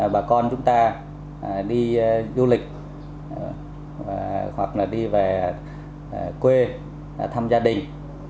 bà con chúng ta đi du lịch hoặc là đi về quê thăm gia đình